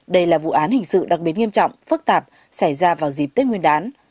đây là vụ án hình sự đặc biệt nghiêm trọng phức tạp xảy ra vào dịp tết nguyên đán